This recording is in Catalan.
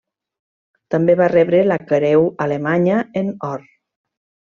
També va rebre la Creu Alemanya en Or.